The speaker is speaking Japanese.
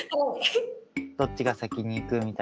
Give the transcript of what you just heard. どっちが先にいくみたいな。